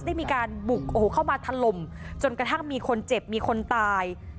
ได้มีการบุกโอ้โหเข้ามาถล่มจนกระทั่งมีคนเจ็บมีคนตาย